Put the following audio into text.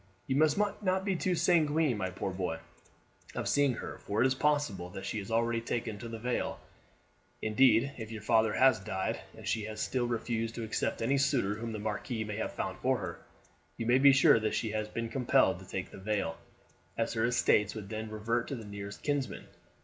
You must not be too sanguine, my poor boy, of seeing her, for it is possible that she has already taken the veil. Indeed, if your father has died, and she has still refused to accept any suitor whom the marquis may have found for her, you may be sure that she has been compelled to take the veil, as her estates would then revert to the nearest kinsman.